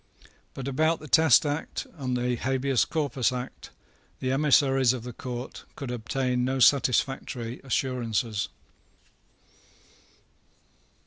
But about the Test Act and the Habeas Corpus Act the emissaries of the Court could obtain no satisfactory assurances.